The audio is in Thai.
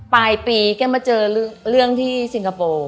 ปลายปีแกมาเจอเรื่องที่สิงคโปร์